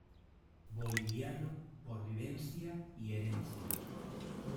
Boliviano por vivencia y herencia.